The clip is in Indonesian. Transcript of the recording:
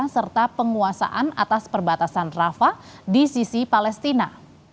serta penguasaan atas perbatasan rafa di sisi palestina